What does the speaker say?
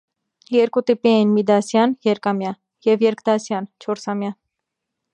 Երկու տիպի էին՝ միդասյան (երկամյա) և երկդասյան (չորսամյա)։